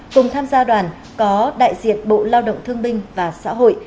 cùng tham gia đoàn có đại diện bộ lao động thương binh và xã hội